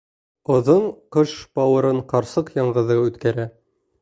Оҙон ҡыш бауырын ҡарсыҡ яңғыҙы үткәрә.